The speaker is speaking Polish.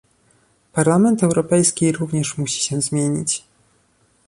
Parlament Europejski również musi się zmienić